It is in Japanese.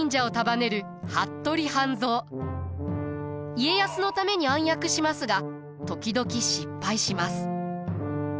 家康のために暗躍しますが時々失敗します。